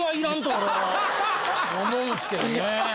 俺は思うんすけどね。